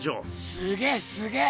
すげえすげえ！